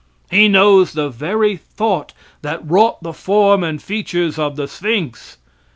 He knows the very thought that wrought the form and features of the Sphinx.